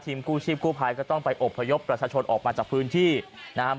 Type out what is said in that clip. กู้ชีพกู้ภัยก็ต้องไปอบพยพประชาชนออกมาจากพื้นที่นะครับ